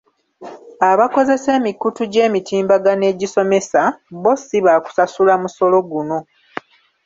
Abakozesa emikutu gy’emitimbagano egisomesa, bbo si baakusasula musolo guno.